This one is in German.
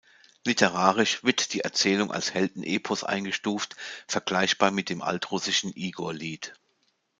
Literarisch wird die Erzählung als Heldenepos eingestuft, vergleichbar mit dem altrussischen Igorlied.